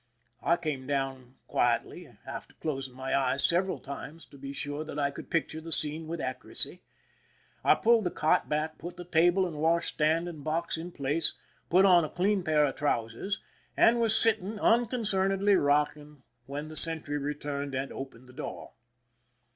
I came down quietly, after closing my eyes several times to be sure that I could picture the scene with accuracy. I pulled the cot back, put the table and wash stand and box in place, put on a clean pair of trousers, and was sitting unconcernedly rocking when the sentry returned and opened the door.